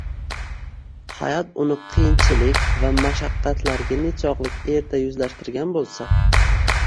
Hayot uni qiyinchilik va mashaqqatlarga nechog’lik erta yuzlashtirgan bo’lsa